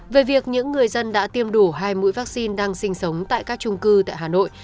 về việc những người dân đã tiêm đủ hai mũi vaccine đang sinh sống tại các trung cư tại hà nội